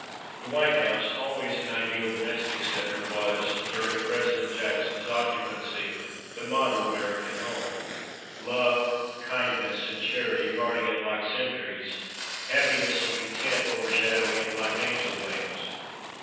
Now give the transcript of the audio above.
The White House, always an ideal domestic center, was, during President Jackson's occupancy, the model American home — love, kindness and charity guarding it like sentries, happiness and content overshadowing it like angel wings.